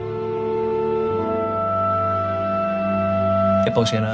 やっぱ教えない。